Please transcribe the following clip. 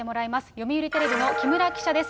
読売テレビの木村記者です。